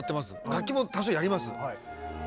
楽器も多少やります。